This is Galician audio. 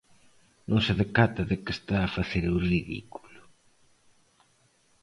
Non se decata de que está a facer o ridículo?